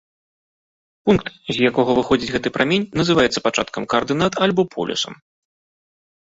Пункт, з якога выходзіць гэты прамень, называецца пачаткам каардынат альбо полюсам.